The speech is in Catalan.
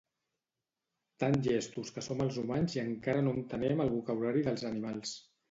Tan llestos que som els humans i encara no entenem el vocabulari dels animals